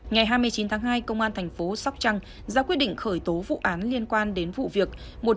ngày hai mươi chín tháng hai công an thành phố sóc trăng ra quyết định khởi tố vụ án liên quan đến vụ việc